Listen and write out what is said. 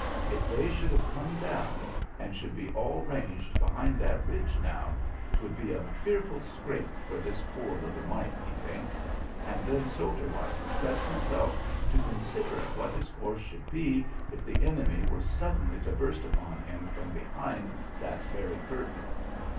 "If they should have come down, and should be all ranged behind that ridge now, 'twould be a fearful scrape for this poor little mite," he thinks, and then, soldier like, sets himself to considering what his course should be if the enemy were suddenly to burst upon him from behind that very curtain.